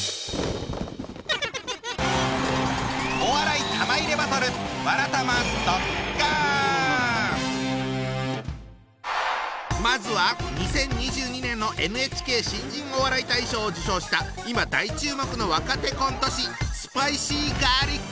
お笑い玉入れバトルまずは２０２２年の「ＮＨＫ新人お笑い大賞」を受賞した今大注目の若手コント師！